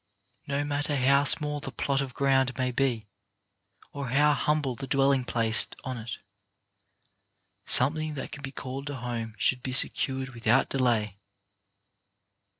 No matter how small the plot of ground may be, or how humble the dwelling placed .on it, something that can be called a home should be secured without delay.